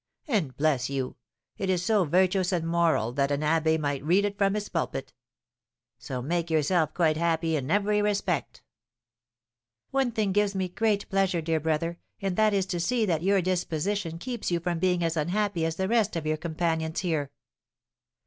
And, bless you, it is so virtuous and moral that an abbé might read it from his pulpit! So make yourself quite happy in every respect." "One thing gives me great pleasure, dear brother, and that is to see that your disposition keeps you from being as unhappy as the rest of your companions here."